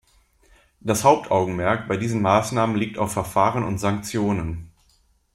Das Hauptaugenmerk bei diesen Maßnahmen liegt auf Verfahren und Sanktionen.